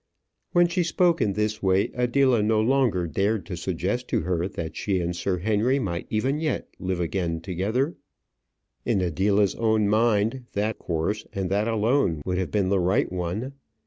When she spoke in this way, Adela no longer dared to suggest to her that she and Sir Henry might even yet again live together. In Adela's own mind, that course, and that alone, would have been the right one.